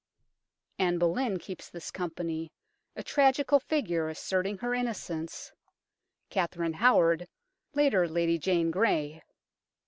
Anne Boleyn keeps this company, a tragical figure, asserting her innocence ; Katherine Howard ; later, Lady Jane Grey.